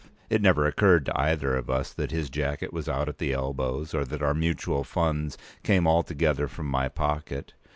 It never occurred to either of us that his jacket was out at elbows, or that our mutual funds came altogether from my pocket.